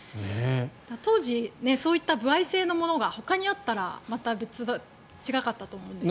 当時、そういった歩合制のものがほかにあったらまた違ったと思いますが。